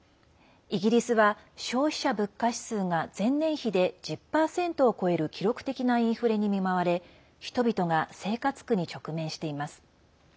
イギリスは消費者物価指数が前年比で１０％を超える記録的なインフレに見舞われ人々が生活苦に直面しています。